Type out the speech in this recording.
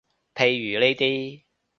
譬如呢啲